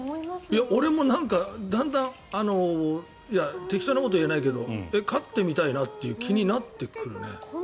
俺もなんか、だんだん適当なことは言えないけど飼ってみたいなという気になってくるね。